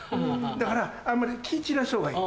だからあんまり気散らした方がいい。